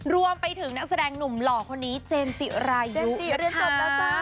รวมไปถึงนักแสดงหนุ่มหล่อคนนี้เจมส์จิรายุนะคะ